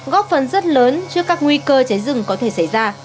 góp phần rất lớn trước các nguy cơ cháy rừng có thể xảy ra